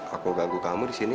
aku ganggu kamu di sini